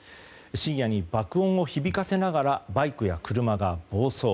深夜に爆音を響かせながらバイクや車が暴走。